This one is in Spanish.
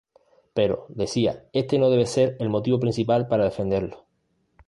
Pero, decía, "este no debe ser el motivo principal para defenderlo".